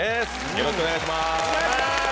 よろしくお願いします。